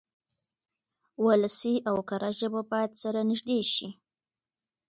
ولسي او کره ژبه بايد سره نږدې شي.